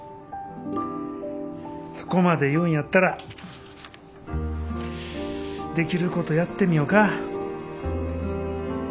そこまで言うんやったらできることやってみよか。